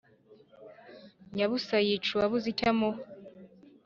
Nyabusa yica uwabuze icyo amuha